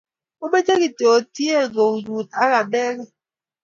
omeche kityo otie kootnyu ak anegei